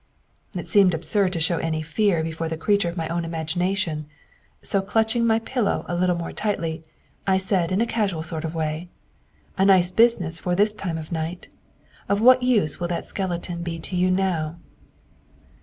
It seemed absurd to show any fear before the creature of my own imagination; so, clutching my pillow a little more tightly, I said in a casual sort of way: 'A nice business for this time of night! Of what use will that skeleton be to you now?'